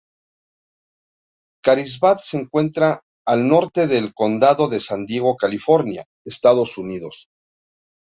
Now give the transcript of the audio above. Carlsbad se encuentra al norte del condado de San Diego, California, Estados Unidos.